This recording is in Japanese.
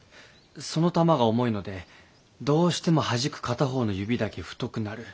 その珠が重いのでどうしてもはじく片方の指だけ太くなる。